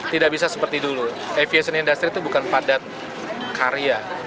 tidak bisa seperti dulu aviation industry itu bukan padat karya